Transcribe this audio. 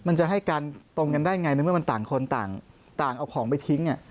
มันจะให้การตรงกันได้ไงในเมื่อมันต่างคนต่างเอาของไปทิ้ง